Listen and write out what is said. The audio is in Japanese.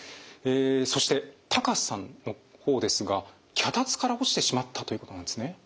そしてタカシさんの方ですが脚立から落ちてしまったということなんですね。